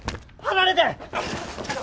離れて！